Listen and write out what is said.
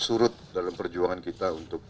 surut dalam perjuangan kita untuk